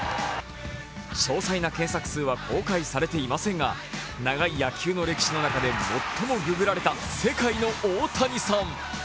詳細な検索数は公開されていませんが、長い野球の歴史の中で最もググられた世界のオオタニさん。